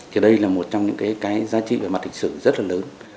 thì đây là một trong những cái giá trị về mặt lịch sử rất là lớn